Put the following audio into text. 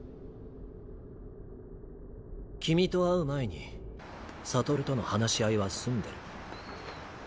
君と会う前に悟との話し合いは済んでる。